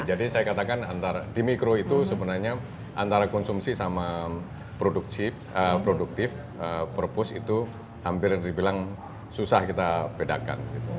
jadi saya katakan di mikro itu sebenarnya antara konsumsi sama produktif purpose itu hampir dibilang susah kita bedakan